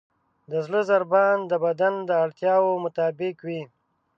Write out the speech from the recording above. د زړه ضربان د بدن د اړتیاوو مطابق وي.